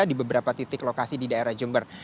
di beberapa titik lokasi di daerah jember